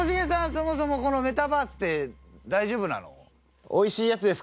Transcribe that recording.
そもそもメタバースって大丈夫なの？